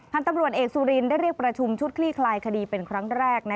พันธุ์ตำรวจเอกสุรินได้เรียกประชุมชุดคลี่คลายคดีเป็นครั้งแรก